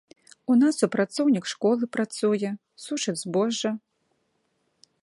У нас супрацоўнік школы працуе, сушыць збожжа.